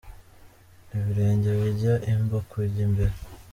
Ibirenge bijya imbu kujya imbere.